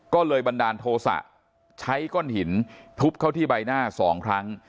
ก็เลยบันดาลโทษะใช้ก้อนหินทุบเข้าที่ใบหน้า๒ครั้ง